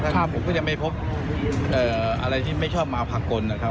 ท่านผู้ที่ไม่พบอะไรที่ไม่เช่ามาพักกนนะครับ